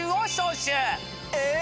え！